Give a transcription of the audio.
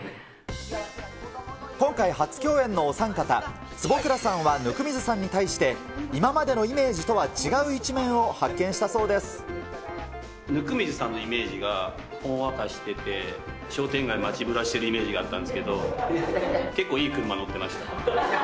今回、初共演のお三方、坪倉さんは温水さんに対して、今までのイメージとは違う一面を温水さんのイメージがほんわかしてて、商店街、街ブラしてるイメージがあったんですけど、結構いい車乗ってまし